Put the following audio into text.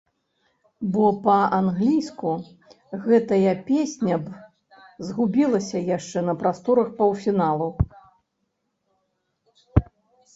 Бо па-англійску гэтая песня б згубілася яшчэ на прасторах паўфіналу.